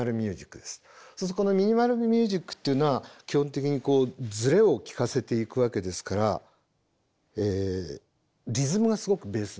そうするとこのミニマル・ミュージックっていうのは基本的にこうズレを聴かせていくわけですからリズムがすごくベースになります。